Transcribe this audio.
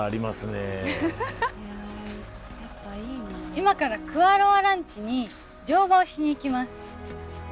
今からクアロア・ランチに乗馬をしに行きます。